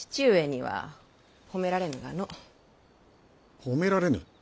褒められぬ？